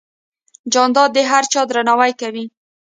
جانداد د هر چا درناوی کوي.